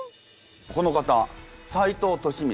この方斎藤利三。